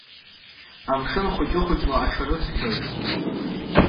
Амшын хәыҷы-хәыҷла аҽарыцқьоит…